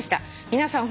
「皆さん